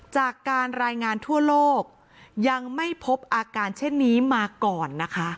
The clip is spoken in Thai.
จากการรายงานทั่วโลกยังไม่พบอาการเช่นนี้มาก่อนนะคะ